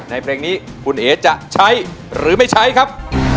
เพลงนี้คุณเอ๋จะใช้หรือไม่ใช้ครับ